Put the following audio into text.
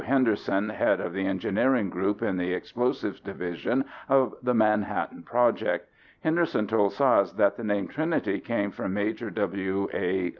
Henderson head of the Engineering Group in the Explosives Division of the Manhattan Project. Henderson told Szasz that the name Trinity came from Major W. A.